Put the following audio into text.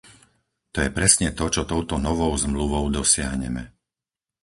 To je presne to, čo touto novou Zmluvou dosiahneme.